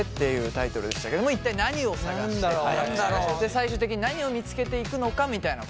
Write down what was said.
最終的に何を見つけていくのかみたいなことが。